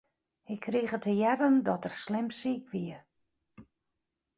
Hy krige te hearren dat er slim siik wie.